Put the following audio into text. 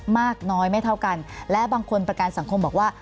มากน้อยไม่เท่ากันและบางคนประกันสังคมบอกว่า